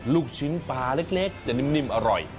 ลูกชิ้นปลาเล็กจะนิ่มอร่อย